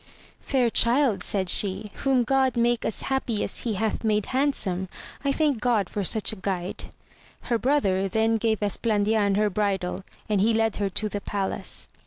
Fair child, said she, whom God make as happy as he hath made handsome, I thank God for such a guide. Her brother then gave Esplandian her bridle and he led her to the palace.